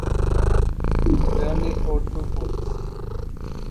Reale Orto Bot.